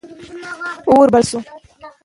اور بل سو.